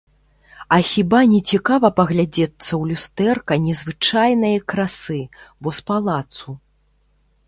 А хіба нецікава паглядзецца ў люстэрка незвычайнае красы, бо з палацу.